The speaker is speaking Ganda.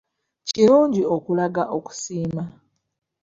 Kirungi okulaga okusiima.